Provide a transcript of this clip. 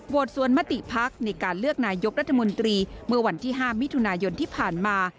สวนมติพักในการเลือกนายกรัฐมนตรีเมื่อวันที่๕มิถุนายนที่ผ่านมา